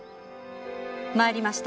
参りました。